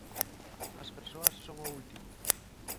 As persoas son o último.